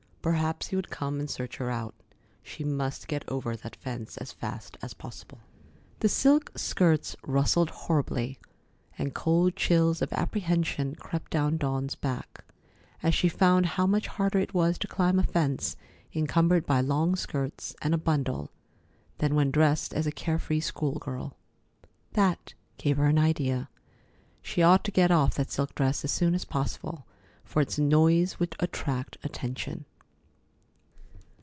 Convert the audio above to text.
Perhaps he would come and search her out. She must get over that fence as fast as possible. The silk skirts rustled horribly, and cold chills of apprehension crept down Dawn's back, as she found how much harder it was to climb a fence encumbered by long skirts and a bundle, than when dressed as a care free school girl. That gave her an idea. She ought to get off that silk dress as soon as possible, for its noise would attract attention.